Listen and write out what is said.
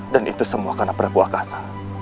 dan itu semua karena prabu akasa